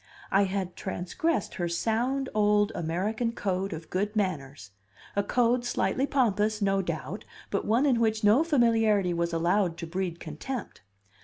I had transgressed her sound old American code of good manners, a code slightly pompous no doubt, but one in which no familiarity was allowed to breed contempt.